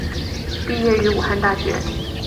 毕业于武汉大学。